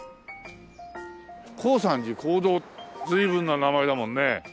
「耕三寺耕三」随分な名前だもんね。